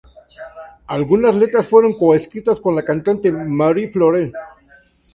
Algunas letras fueron co-escritas con la cantante Marie-Flore.